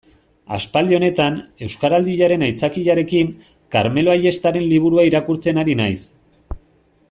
Aspaldi honetan, Euskaraldiaren aitzakiarekin, Karmelo Ayestaren liburua irakurtzen ari naiz.